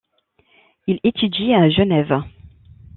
Il étudie à Genève.